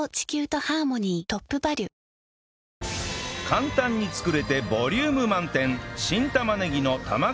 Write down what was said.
簡単に作れてボリューム満点